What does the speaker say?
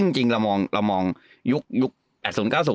จริงเรามองยุค๘๐๙๐